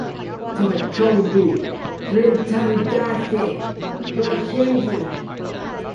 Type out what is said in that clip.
tôi không biết trên tầng đã xảy ra chuyện gì